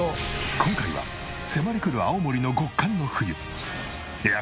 今回は迫り来る青森の極寒の冬。